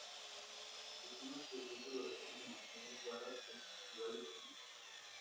Se estima que esta duración se mantenga para festivales siguientes.